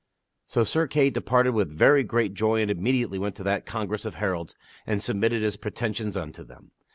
So Sir Kay departed with very great joy and immediately went to that congress of heralds and submitted his pretensions unto them.